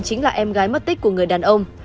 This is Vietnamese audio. chính là em gái mất tích của người đàn ông